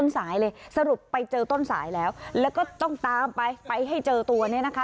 สายเลยสรุปไปเจอต้นสายแล้วแล้วก็ต้องตามไปไปให้เจอตัวเนี่ยนะคะ